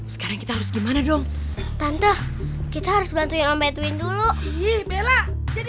sampai jumpa lagi